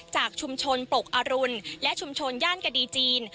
จากชุมชนปกอรุณและชุมชนย่านกดีจีน